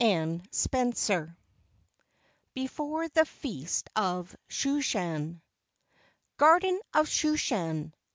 Anne Spencer BEFORE THE FEAST OF SHUSHAN Garden of Shushan!